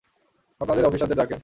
আপনার অফিসারদের ডাকেন।